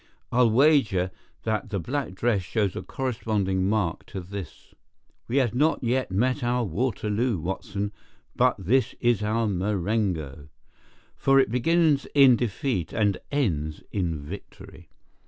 I'll wager that the black dress shows a corresponding mark to this. We have not yet met our Waterloo, Watson, but this is our Marengo, for it begins in defeat and ends in victory.